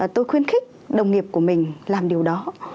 tôi khuyến khích đồng nghiệp của mình làm điều đó